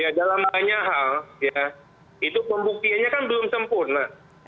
ya dalam banyak hal ya itu pembuktiannya kan belum sempurna